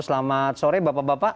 selamat sore bapak bapak